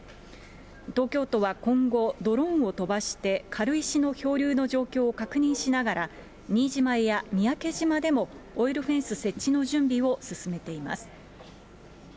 東京都は今後、ドローンを飛ばして、軽石の漂流の状況を確認しながら、新島や三宅島でもオイルフェンス設置の準備を進めています。